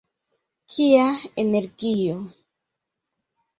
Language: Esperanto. Kia energio!